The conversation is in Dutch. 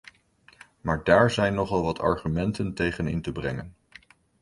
Maar daar zijn nogal wat argumenten tegen in te brengen.